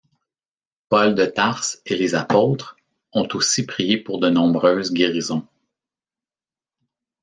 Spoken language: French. Paul de Tarse et les apôtres ont aussi prié pour de nombreuses guérisons.